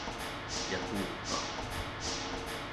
Ja kuulkaa.